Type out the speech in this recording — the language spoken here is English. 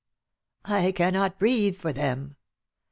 I cannot breathe for them